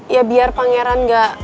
ya biar pangeran gak